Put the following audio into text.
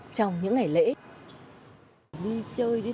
trong những ngày này